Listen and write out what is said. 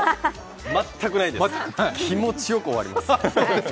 全くないです、気持ちよく終わります。